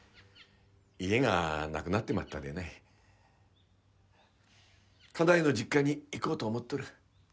家がなくなってまったでね家内の実家に行こうと思っとる。